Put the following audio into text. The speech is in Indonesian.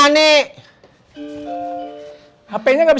tapi dia lagi beli